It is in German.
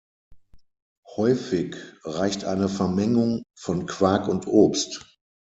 Häufig reicht eine Vermengung von Quark und Obst.